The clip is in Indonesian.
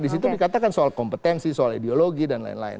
disitu dikatakan soal kompetensi soal ideologi dan lain lain